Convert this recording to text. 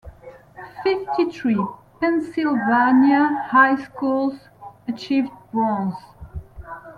Fifty three Pennsylvania high schools achieved bronze.